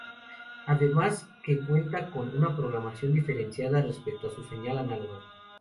Además de que cuenta con una programación diferenciada respecto a su señal análoga.